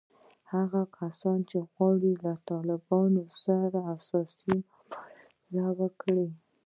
هغه کسان چې غواړي له طالبانو سره اساسي مبارزه وکړي